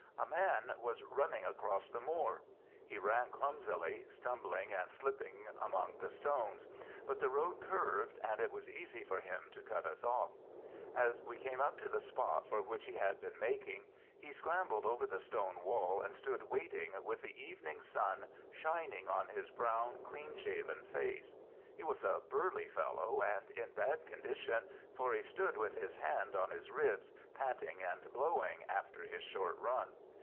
A man was running across the moor. He ran clumsily, stumbling and slipping among the stones; but the road curved, and it was easy for him to cut us off. As we came up to the spot for which he had been making, he scrambled over the stone wall and stood waiting, with the evening sun shining on his brown, clean shaven face. He was a burly fellow, and in bad condition, for he stood with his hand on his ribs, panting and blowing after his short run.